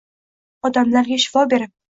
Odamlarga shifo berib